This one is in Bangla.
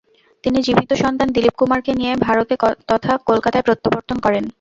তিনি জীবিত সন্তান দিলীপকুমারকে নিয়ে ভারতে তথা কলকাতায় প্রত্যাবর্তন করেন।